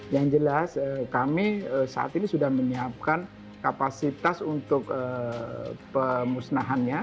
yang jelas kami saat ini sudah menyiapkan kapasitas untuk pemusnahannya